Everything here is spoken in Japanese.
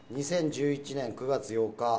２０１１年９月８日。